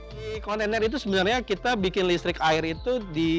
di kontainer itu sebenarnya kita bikin listrik air itu